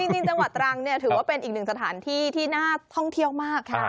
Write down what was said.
จริงจังหวัดตรังถือว่าเป็นอีกหนึ่งสถานที่ที่น่าท่องเที่ยวมาก